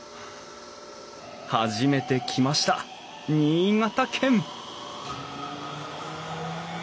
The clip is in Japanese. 初めて来ました新潟県！